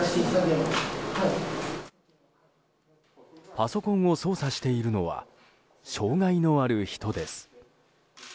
パソコンを操作しているのは障害のある人です。